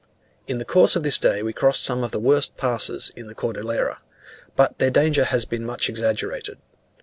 In the course of this day we crossed some of the worst passes in the Cordillera, but their danger has been much exaggerated.